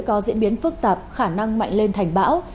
có diễn biến phức tạp khả năng mạnh lên thành bão